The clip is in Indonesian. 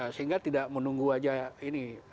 sehingga tidak menunggu aja ini